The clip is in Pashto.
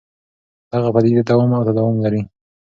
دغه پدیدې دوام او تداوم لري.